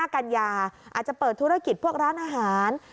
กัญญาอาจจะเปิดธุรกิจพวกร้านอาหาร